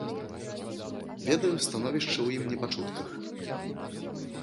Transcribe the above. Ведаю становішча ў ім не па чутках.